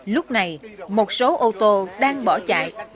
lúc này một số ô tô đang bỏ chạy